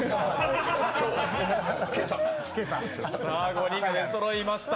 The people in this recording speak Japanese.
５人が出そろいました。